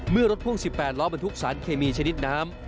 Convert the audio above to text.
เมื่อรถพ่วง๑๘ล้อบรรทุกสารเคมีชนิดน้ำ